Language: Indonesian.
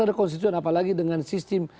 ada konstituen apalagi dengan sistem